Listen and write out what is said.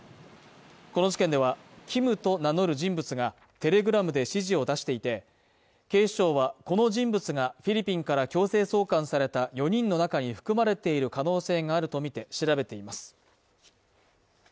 この事件では、Ｋｉｍと名乗る人物が、テレグラムで指示を出していて、警視庁は、この人物が、フィリピンから強制送還された４人の中に含まれている可能性があるとみて調べています。